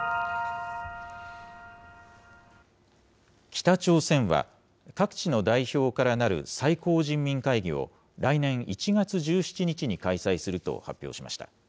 北朝鮮は、各地の代表からなる最高人民会議を、来年１月１７日に開催すると発表しました。